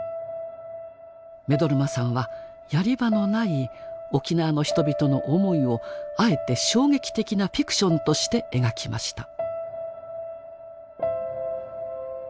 目取真さんはやり場のない沖縄の人々の思いをあえて衝撃的なフィクションとして描きました。